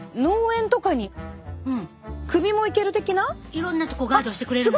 いろんなとこガードしてくれるのね。